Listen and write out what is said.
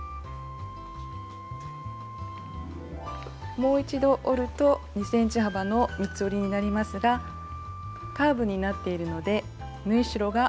もう一度折ると２ｃｍ幅の三つ折りになりますがカーブになっているので縫い代が余ってきます。